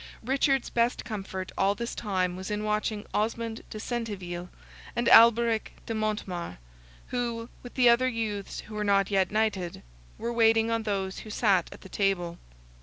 Richard's best comfort all this time was in watching Osmond de Centeville and Alberic de Montemar, who, with the other youths who were not yet knighted, were waiting on those who sat at the table.